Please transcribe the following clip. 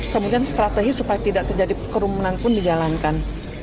kemudian strategi supaya tidak terjadi kerumunan pun dijalankan